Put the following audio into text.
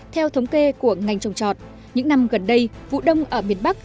theo thống kê của ngành trồng trọt những năm gần đây vụ đông ở miền bắc